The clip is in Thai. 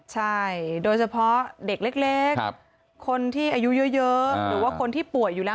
ใช่โดยเฉพาะเด็กเล็กคนที่อายุเยอะหรือว่าคนที่ป่วยอยู่แล้ว